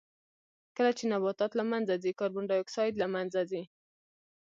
کله چې نباتات له منځه ځي کاربن ډای اکسایډ له منځه ځي.